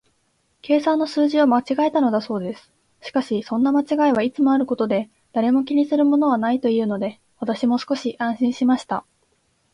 計算の数字を間違えたのだそうです。しかし、そんな間違いはいつもあることで、誰も気にするものはないというので、私も少し安心しました。